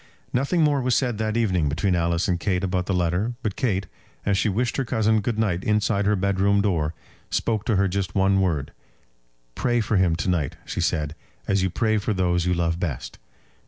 Nothing more was said that evening between Alice and Kate about the letter; but Kate, as she wished her cousin good night inside her bedroom door, spoke to her just one word "Pray for him to night," she said, "as you pray for those you love best."